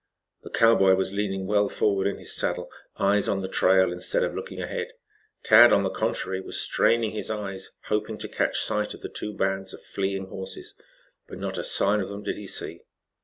The cowboy was leaning well forward in his saddle, eyes on the trail, instead of looking ahead. Tad, on the contrary, was straining his eyes, hoping to catch sight of the two bands of fleeing horses; but not a sign of them did he see.